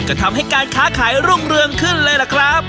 ก็ทำให้การค้าขายรุ่งเรืองขึ้นเลยล่ะครับ